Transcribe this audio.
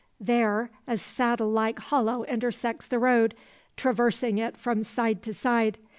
There a saddle like hollow intersects the road, traversing it from side to side.